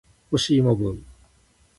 干し芋ブーム